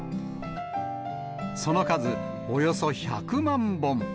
その数、およそ１００万本。